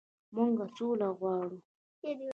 موږ سوله غواړو.